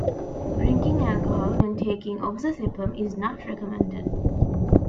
Drinking alcohol when taking oxazepam is not recommended.